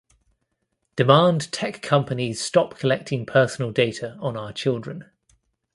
demand tech companies stop collecting personal data on our children.